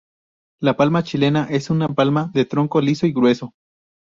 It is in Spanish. La palma chilena es una palma de tronco liso y grueso.